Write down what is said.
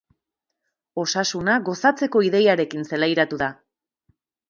Osasuna gozatzeko ideiarekin zelairatu da.